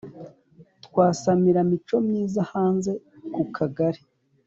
twasamira micomyiza hanze kukagari